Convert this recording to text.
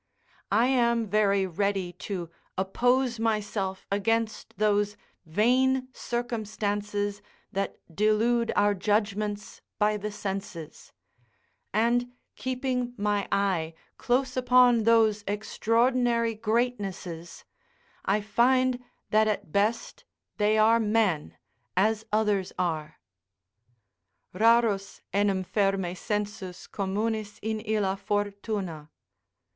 I am very ready to oppose myself against those vain circumstances that delude our judgments by the senses; and keeping my eye close upon those extraordinary greatnesses, I find that at best they are men, as others are: "Rarus enim ferme sensus communis in illa Fortuna."